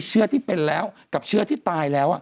เชื้อที่เป็นแล้วกับเชื้อที่ตายแล้ว